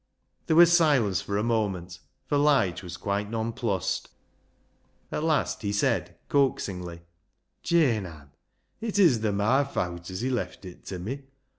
There was silence for a moment, for Lige was quite nonplussed. At last he said coax ingly— " Jane Ann, it isna my fawt as he left it ta me.